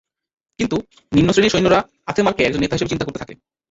কিন্তু, নিম্নশ্রেণীর সৈন্যরা আথেমারকে একজন নেতা হিসেবে চিন্তা করতে থাকে।